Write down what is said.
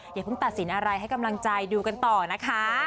อย่าเพิ่งตัดสินอะไรให้กำลังใจดูกันต่อนะคะ